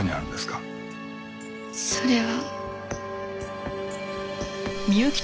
それは。